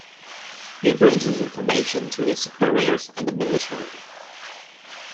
He brings this information to his superiors and the military.